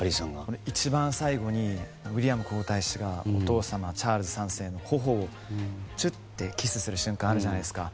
一番最後にウィリアム皇太子がお父様、チャールズ３世の頬にキスする瞬間あるじゃないですか。